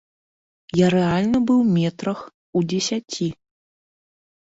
Я рэальна быў метрах у дзесяці.